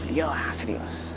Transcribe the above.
iya lah serius